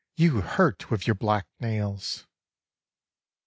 You hurt with your black nails."